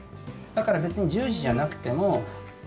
だから別に１０時じゃなくても。